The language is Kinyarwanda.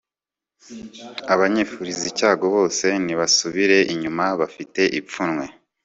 abanyifuriza icyago bose nibasubire inyuma bafite ipfunwe